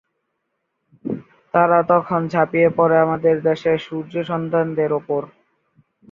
তারা তখন ঝাপিয়ে পড়ে আমাদের দেশের সূর্যসন্তানদের উপর।